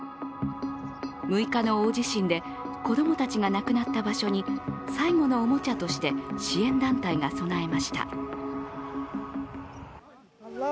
６日の大地震で子供たちが亡くなった場所に最後のおもちゃとして支援団体が供えました。